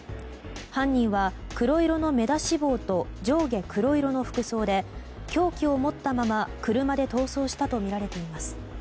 犯人は、黒色の目出し帽と上下黒色の服装で凶器を持ったまま車で逃走したとみられています。